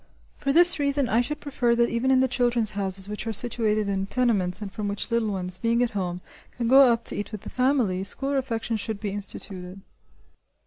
For this reason I should prefer that even in the "Children's Houses" which are situated in tenements and from which little ones, being at home, can go up to eat with the family, school refection should be instituted.